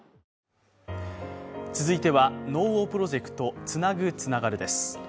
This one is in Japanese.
続いては「ＮＯＷＡＲプロジェクトつなぐ、つながる」です。